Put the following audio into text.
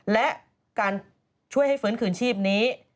และการช่วยให้ฟื้นคืนชีพนี้